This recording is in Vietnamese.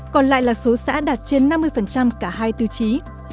còn lại là số xã đạt trên năm mươi cả hai tiêu chí